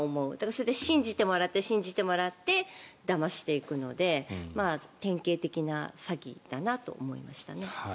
それで信じてもらって、信じてもらってだましていくので典型的な詐欺だなと思いましたね。